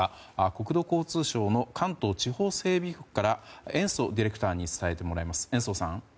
国土交通省の関東地方整備局から延増ディレクターに伝えてもらいます。